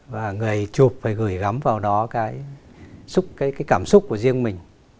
và người chụp phải gửi gắm vào đó cái cảm xúc của riêng mình